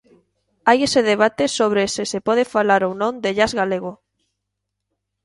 Hai ese debate sobre se se pode falar ou non de jazz galego.